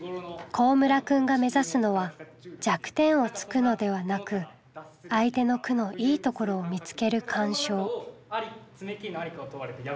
幸村くんが目指すのは弱点をつくのではなく相手の句のいいところを見つける鑑賞。